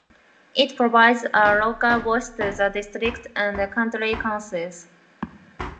It provides a local voice to the district and county councils.